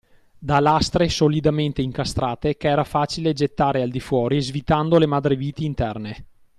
Da lastre solidamente incastrate ch’era facile gettare al di fuori svitando le madreviti interne